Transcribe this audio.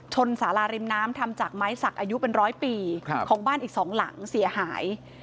สาราริมน้ำทำจากไม้สักอายุเป็นร้อยปีของบ้านอีก๒หลังเสียหาย